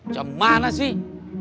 jam mana sih